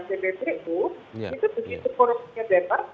itu begitu korupsinya bebas